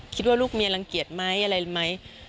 คิดว่าลูกเมียรังเกียจไหมอะไรรู้ไหม